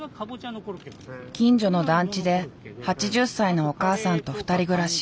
近所の団地で８０歳のお母さんと２人暮らし。